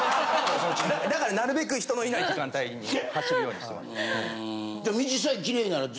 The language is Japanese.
だからなるべく人のいない時間帯に走るようにしてます。